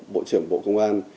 bộ trưởng bộ công an